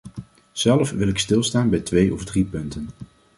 Zelf wil ik stilstaan bij twee of drie punten.